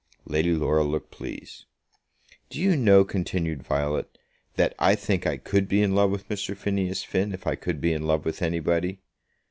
Lady Laura looked pleased. "Do you know," continued Violet, "that I think I could be in love with Mr. Phineas Finn, if I could be in love with anybody?"